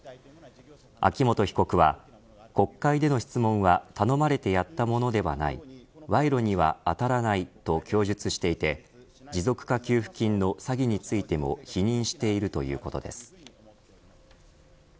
秋本被告は、国会での質問は頼まれてやったものではない賄賂には当たらないと供述していて持続化給付金の詐欺についても否認しているということです。